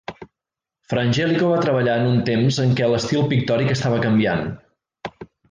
Fra Angelico va treballar en un temps en què l'estil pictòric estava canviant.